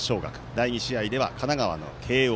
第２試合では神奈川の慶応。